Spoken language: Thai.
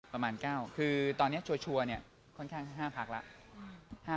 ประมาณ๙คือตอนนี้ชัวร์เนี่ยค่อนข้าง๕พักแล้ว